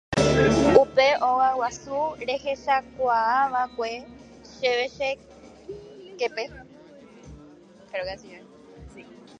Upe óga guasu rehechaukava'ekue chéve che képe.